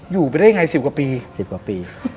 อยู่ไปได้ยังไง๑๐กว่าปี